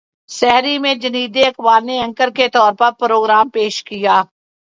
سحری میں جنید اقبال نے اینکر کے طور پر پروگرام پیش کیا